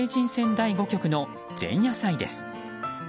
第５局の前夜祭です。